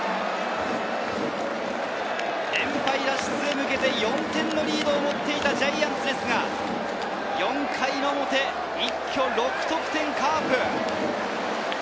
連敗脱出へ向けて、４点のリードを持っていたジャイアンツですが、４回表、一挙６得点のカープ。